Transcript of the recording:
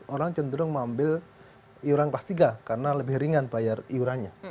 orang cenderung mengambil iuran kelas tiga karena lebih ringan bayar iurannya